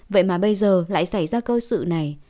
vậy mà bây giờ lại xảy ra câu sự này